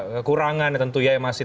kekurangan tentunya yang masih